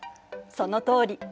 そのとおり。